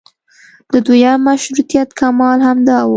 د دویم مشروطیت کمال همدا و.